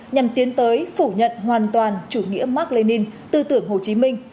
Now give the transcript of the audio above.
nhằm tiến tới phủ nhận hoàn toàn chủ nghĩa mark lenin tư tưởng hồ chí minh